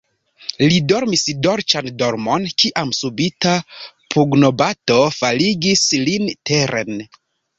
Li dormis dolĉan dormon, kiam subita pugnobato faligis lin teren.